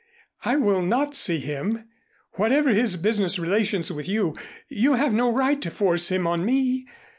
I will not see him. Whatever his business relations with you, you have no right to force him on me.